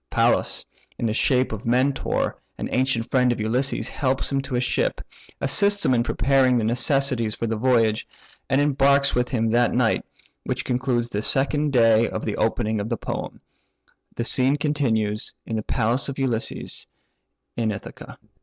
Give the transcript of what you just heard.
Pallas, in the shape of Mentor (an ancient friend of Ulysses), helps him to a ship, assists him in preparing necessaries for the voyage, and embarks with him that night; which concludes the second day from the opening of the poem. The scene continues in the palace of Ulysses, in Ithaca.